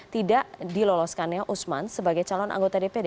tidak diloloskannya usman sebagai calon anggota dpd